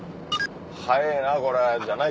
「早えぇなこれ」じゃない？